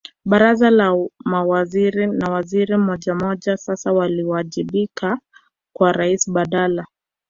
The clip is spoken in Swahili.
Baraza la Mawaziri na waziri mmojammoja sasa waliwajibika kwa Raisi badala